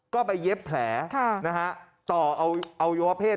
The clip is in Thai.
ก็ไปเย็บแผลนะฮะต่อเอาอวัยวะเพศ